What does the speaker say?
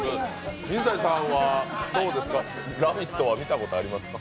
水谷さんは「ラヴィット！」は見たことありますか？